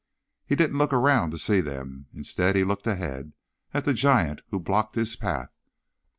He didn't look around to see them. Instead, he looked ahead, at the giant who blocked his path.